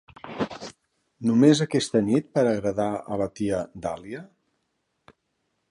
Només aquesta nit, per agradar a la tia Dahlia?